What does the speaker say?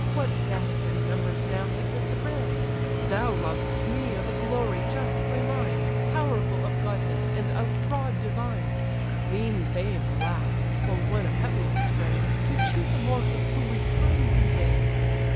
What gasping numbers now had bit the ground! Thou robb'st me of a glory justly mine, Powerful of godhead, and of fraud divine: Mean fame, alas! for one of heavenly strain, To cheat a mortal who repines in vain."